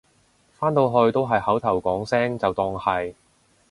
返到去都係口頭講聲就當係